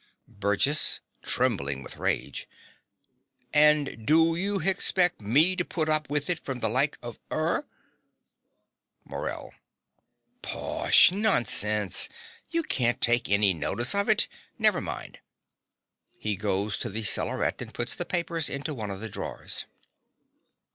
BURGESS (trembling with rage). And do you hexpec me to put up with it from the like of 'ER? MORELL. Pooh, nonsense! you can't take any notice of it. Never mind. (He goes to the cellaret and puts the papers into one of the drawers.)